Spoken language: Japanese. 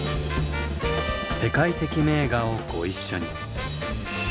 世界的名画をご一緒に。